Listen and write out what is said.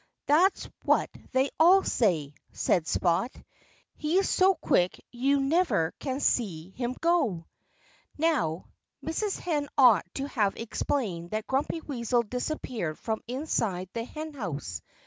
"That's what they all say," said Spot. "He's so quick you never can see him go." Now, Mrs. Hen ought to have explained that Grumpy Weasel disappeared from inside the henhouse.